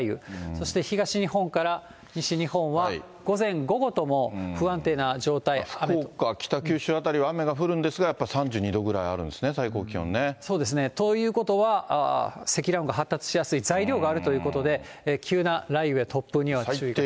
そして東日本から西日本は、福岡、北九州辺りは雨が降るんですが、やっぱり３２度くらいあるんですそうですね、ということは、積乱雲が発達しやすい材料があるということで、急な雷雨や突風には注意が必要です。